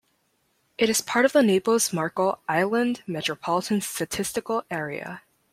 It is part of the Naples-Marco Island Metropolitan Statistical Area.